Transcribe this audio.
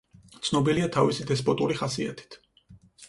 ცნობილია თავისი დესპოტური ხასიათით.